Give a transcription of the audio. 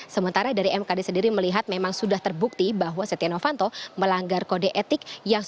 sementara dari mkd sendiri melihat memang sudah terbukti bahwa setia novanto melanggar kode etik